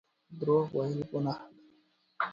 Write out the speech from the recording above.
درواغ ويل ګناه لري